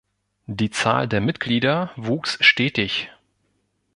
Die Zahl der Mitglieder wuchs stetig.